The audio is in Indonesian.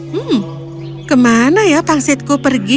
hmm kemana ya pangsitku pergi